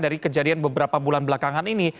dari kejadian beberapa bulan belakangan ini